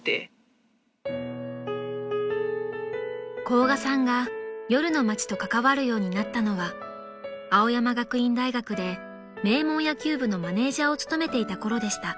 ［甲賀さんが夜の街と関わるようになったのは青山学院大学で名門野球部のマネジャーを務めていたころでした］